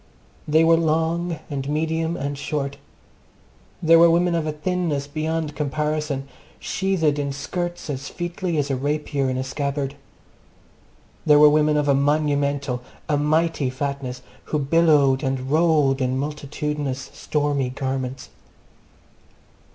They were long, and medium, and short. There were women of a thinness beyond comparison, sheathed in skirts as featly as a rapier in a scabbard. There were women of a monumental, a mighty fatness, who billowed and rolled in multitudinous, stormy garments.